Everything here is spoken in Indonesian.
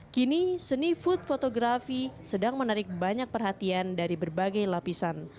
kini seni food photography sedang menarik banyak perhatian dari berbagai lapisan